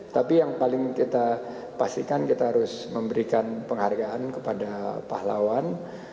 tapi yang paling kita pastikan kita harus memberikan penghargaan kepada pahlawan